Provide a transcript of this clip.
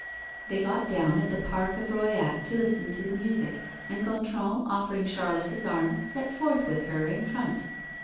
They got down at the park of Royat to listen to the music, and Gontran, offering Charlotte his arm, set forth with her in front.